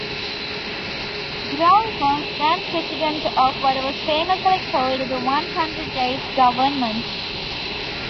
Grau was then President of what was famously called the One Hundred Days Government.